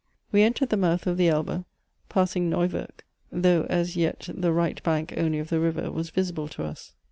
We entered the mouth of the Elbe, passing Neu werk; though as yet the right bank only of the river was visible to us.